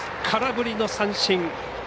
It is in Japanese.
空振りの三振。